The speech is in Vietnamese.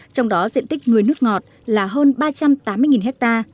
trong đó diện tích nuôi nước ngọt là hơn ba trăm tám mươi ha